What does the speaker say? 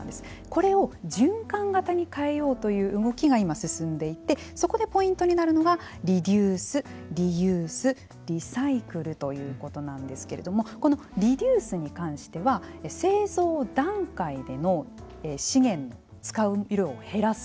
これを循環型に変えようという動きが今、進んでいてそこでポイントになるのがリデュース・リユース・リサイクルということなんですけれどもこのリデュースに関しては製造段階での資源使う量を減らす。